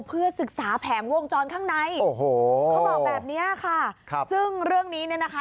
เพื่อศึกษาแผงวงจรข้างในโอ้โหเขาบอกแบบเนี้ยค่ะครับซึ่งเรื่องนี้เนี่ยนะคะ